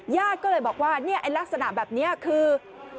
ญาติก็เลยบอกว่าลักษณะแบบนี้คือ